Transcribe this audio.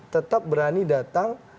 tetap berani datang